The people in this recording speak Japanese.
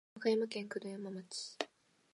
和歌山県九度山町